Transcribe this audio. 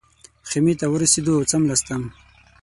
خیمې ته ورسېدو او څملاستم.